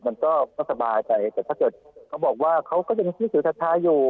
มันก็สบายใจแต่ถ้าเกิดเขาบอกว่าเขาก็จะมีพิสูจน์ทักท้ายอยู่